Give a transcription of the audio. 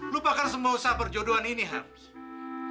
lupakan semua usaha berjodohan ini harmi